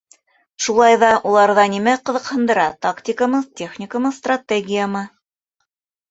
— Шулай ҙа уларҙа нимә ҡыҙыҡһындыра — тактикамы, техникамы, стратегиямы?